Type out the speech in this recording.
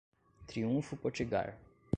Triunfo Potiguar